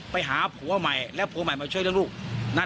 บอกกับพระยาวะเบอร์๒ว่า